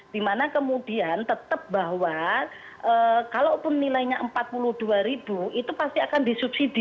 dimana kemudian tetap bahwa kalaupun nilainya rp empat puluh dua ribu itu pasti akan disubsidi